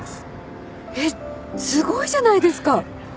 えっすごいじゃないですか！